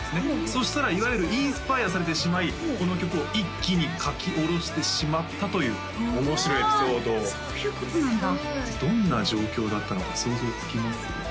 そしたらいわゆるインスパイアされてしまいこの曲を一気に書き下ろしてしまったという面白いエピソードをそういうことなんだどんな状況だったのか想像つきます？